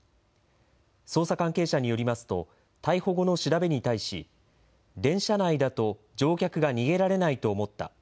捜査関係者によりますと、逮捕後の調べに対し、電車内だと乗客が逃げられないと思った。